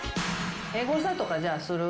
エゴサとかじゃあする？